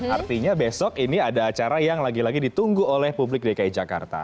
artinya besok ini ada acara yang lagi lagi ditunggu oleh publik dki jakarta